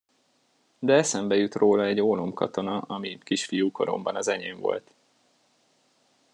De eszembe jut róla egy ólomkatona, ami kisfiú koromban az enyém volt.